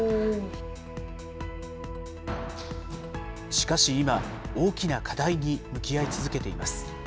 しかし今、大きな課題に向き合い続けています。